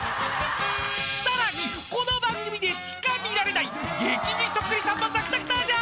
［さらにこの番組でしか見られない激似そっくりさんも続々登場！］